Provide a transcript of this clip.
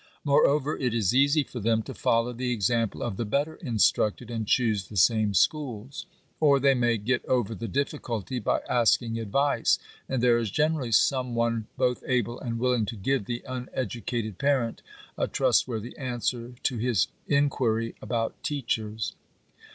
Moreover it is easy for them to follow the example of the better instructed, and choose the same schools. Or they may get over the difficulty by asking advice ; and there is generally some one both able and willing to give the uneducated parent a trustworthy answer to his inquiry about teachers.